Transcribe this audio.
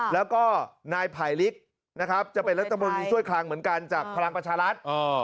แล้วก็นายไผลลิกนะครับจะเป็นรัฐมนตรีช่วยคลังเหมือนกันจากพลังประชารัฐ